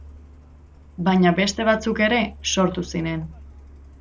Baina beste batzuk ere sortu ziren.